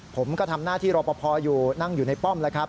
ผมก็ทำหน้าที่รปภนั่งอยู่ในป้อม